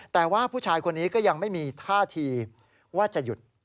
แต่ว่าผู้ชายคนนี้ก็ยังไม่มีท่าทีว่าจะหยุด